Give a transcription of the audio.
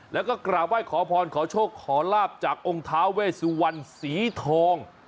แล้วก็กราบไหว้ขอพรขอโชคขอลาบจากองค์ท้าเวสุวรรณสีทอง